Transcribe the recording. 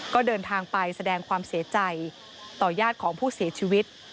ก็เดินทางไปแสดงความเสียใจต่อญาติของผู้เสียชีวิต